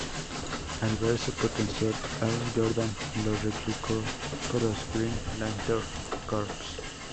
Al ver su potencial, Hal Jordan lo reclutó para los Green Lantern Corps.